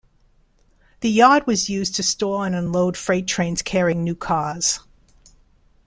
The yard was used to store and unload freight trains carrying new cars.